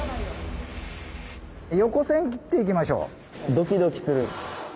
ドキドキする。